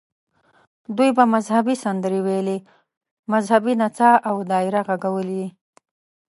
دوی به مذهبي سندرې ویلې، مذهبي نڅا او دایره غږول یې.